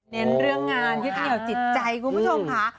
เน้นเรื่องงานยึดเหนียวจิตใจคุณผู้ชมค่ะ